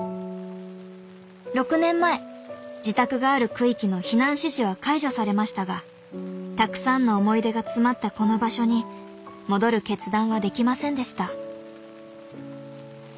６年前自宅がある区域の避難指示は解除されましたがたくさんの思い出が詰まったこの場所に戻る決断はできませんでした。